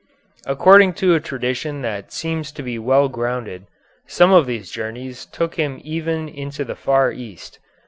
According to a tradition that seems to be well grounded, some of these journeys took him even into the far East.